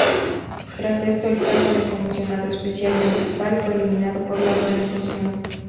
Tras esto, el cargo de Comisionado Especial Municipal fue eliminado por la organización.